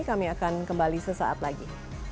kami akan kembali sesaat lagi